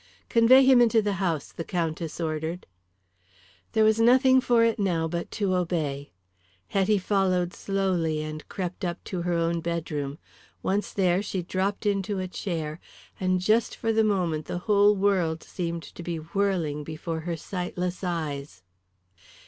"Convey him into the house," the Countess ordered. There was nothing for it now but to obey. Hetty followed slowly and crept up to her own bedroom. Once there, she dropped into a chair, and just for the moment the whole world seemed to be whirling before her sightless eyes.